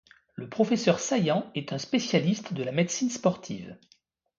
Le professeur Saillant est un spécialiste de la médecine sportive.